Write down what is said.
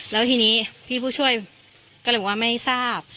แล้วทีนี้พี่ผู้ช่วยก็เลยบอกว่าไม่ทราบ